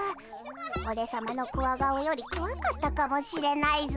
オレさまのコワ顔よりこわかったかもしれないぞ。